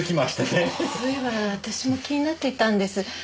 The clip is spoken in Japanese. そういえば私も気になっていたんです。